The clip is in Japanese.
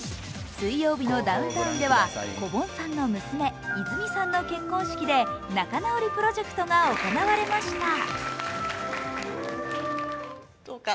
「水曜日のダウンタウン」ではこぼんさんの娘、いづみさんの結婚式で仲直りプロジェクトが行われました。